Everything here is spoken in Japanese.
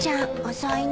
遅いね。